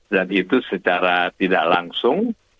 dan itu secara tidak langsung